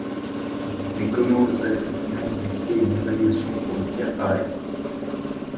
Mais comment oserait-on même risquer une évaluation pour une pierre pareille!